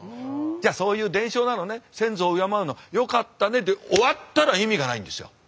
じゃあそういう伝承なのね先祖を敬うのよかったねで終わったら意味がないんですよ。